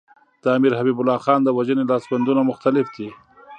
د امیر حبیب الله خان د وژنې لاسوندونه مختلف دي.